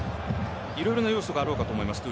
いろいろな要素があろうと思います。